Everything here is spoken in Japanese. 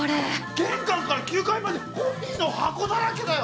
玄関から９階までコピーの箱だらけだよ。